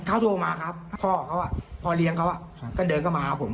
เขาโทรมาครับพ่อเขาพ่อเลี้ยงเขาก็เดินเข้ามาหาผม